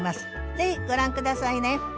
ぜひご覧下さいね。